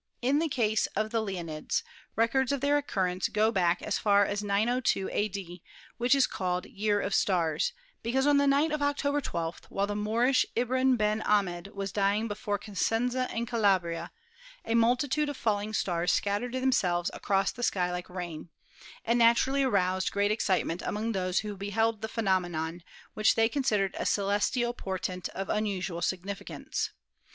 In the case of the Leonids, records of their occurrence go back as far as 902 a.d., which is called "year of stars," because on the night of October 12, while the Moorish Ibrahin Ben Ahmed was dying before Cosenza in Calabria, "a multitude of falling stars scattered themselves across the COMETS, METEORS AND METEORITES 249 sky like rain," and naturally aroused great excitement among those who beheld the phenomenon, which they con sidered a celestial portent of unusual significance.